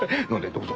どうぞ。